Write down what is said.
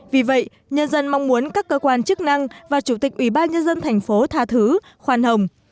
vì vậy nhân dân mong muốn các cơ quan chức năng và chủ tịch ủy ban nhân dân thành phố tha thứ khoan hồng